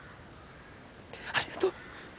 ありがとう。